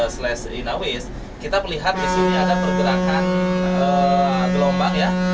slash inawiss kita melihat di sini ada pergerakan gelombang ya